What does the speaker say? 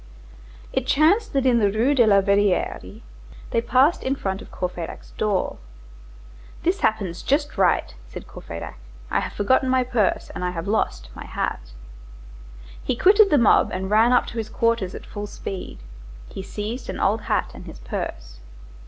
It chanced that in the Rue de la Verrerie, they passed in front of Courfeyrac's door. "This happens just right," said Courfeyrac, "I have forgotten my purse, and I have lost my hat." He quitted the mob and ran up to his quarters at full speed. He seized an old hat and his purse.